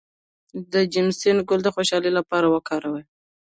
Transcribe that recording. د جیسمین ګل د خوشحالۍ لپاره وکاروئ